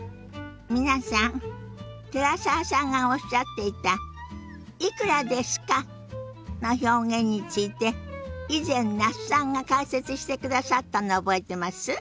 皆さん寺澤さんがおっしゃっていた「いくらですか？」の表現について以前那須さんが解説してくださったの覚えてます？